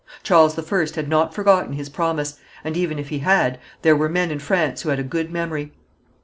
Charles I had not forgotten his promise, and even if he had, there were men in France who had a good memory.